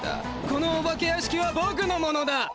このお化け屋敷はボクのものだ！